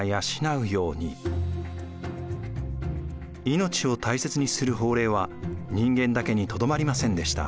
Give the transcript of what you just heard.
命を大切にする法令は人間だけにとどまりませんでした。